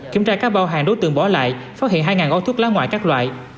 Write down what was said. kiểm tra các bao hàng đối tượng bỏ lại phát hiện hai gói thuốc lá ngoại các loại